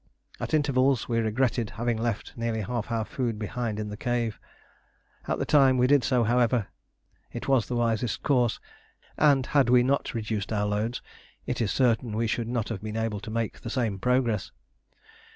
At intervals we regretted having left nearly half our food behind in the cave. At the time we did so, however, it was the wisest course, and had we not reduced our loads it is certain we should not have been able to make the same progress.